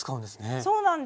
そうなんですよ。